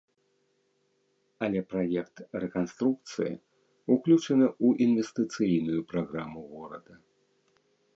Але праект рэканструкцыі ўключаны ў інвестыцыйную праграму горада.